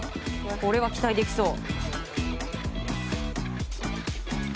これは期待できそう。